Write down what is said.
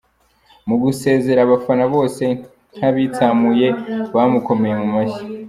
Mu gusezera abafana, bose nk’abitsamuye bamukomeye mu mashyi.